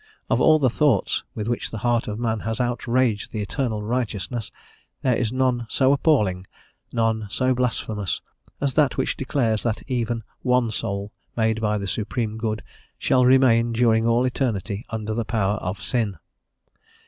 Of all the thoughts with which the heart of man has outraged the Eternal Righteousness, there is none so appalling, none so blasphemous, as that which declares that even one soul, made by the Supreme Good, shall remain during all eternity, under the power of sin.